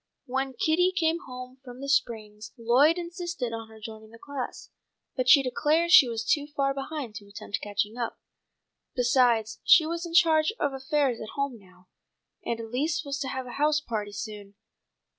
When Kitty came home from the springs Lloyd insisted on her joining the class, but she declared she was too far behind to attempt catching up. Besides she was in charge of affairs at home now, and Elise was to have a house party soon.